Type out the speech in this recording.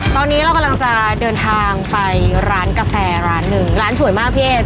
ตอนนี้เรากำลังจะเดินทางไปร้านกาแฟร้านหนึ่งร้านสวยมากพี่เอส